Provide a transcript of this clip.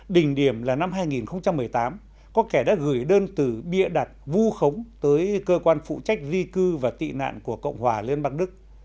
đỉnh điểm là năm hai nghìn một mươi tám có kẻ đã gửi đơn từ bịa đặt vu khống tới cơ quan phụ trách di cư và tị nạn của cộng hòa liên bang đức